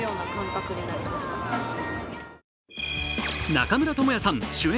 中村倫也さん主演